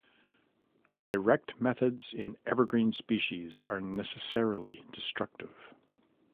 Direct methods in evergreen species are necessarily destructive.